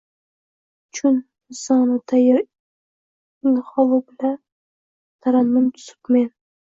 «Chun «Lisonut-tayr» ilhovi bila tarannum tuzubmen